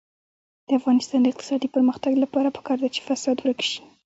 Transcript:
د افغانستان د اقتصادي پرمختګ لپاره پکار ده چې فساد ورک شي.